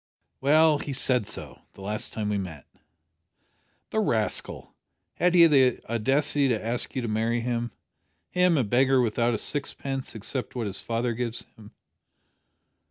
"Well, he said so the last time we met." "The rascal! Had he the audacity to ask you to marry him? him a beggar, without a sixpence except what his father gives him?"